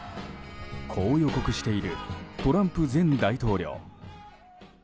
こう予告しているトランプ前大統領。